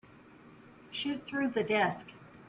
Shoot through the desk.